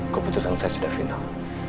keputusan saya sudah final